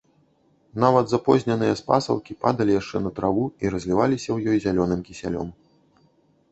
Нават запозненыя спасаўкі падалі яшчэ на траву і разліваліся ў ёй зялёным кісялём.